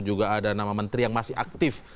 juga ada nama menteri yang masih aktif